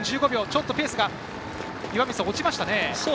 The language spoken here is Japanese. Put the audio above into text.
ちょっとペースが落ちましたね。